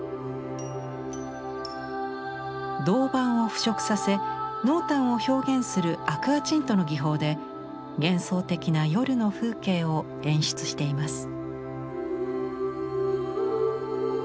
銅板を腐食させ濃淡を表現するアクアチントの技法で幻想的な夜の風景を演出しています。